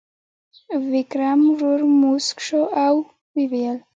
ویکرم ورو موسک شو او وویل: